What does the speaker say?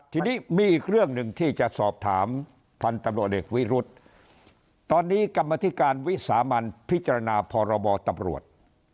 ทีนี้มีอีกเรื่องหนึ่งที่จะสอบถามพันธุ์ตำรวจเอกวิรุธตอนนี้กรรมธิการวิสามันพิจารณาพรบตำรวจ